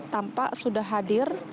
tampak sudah hadir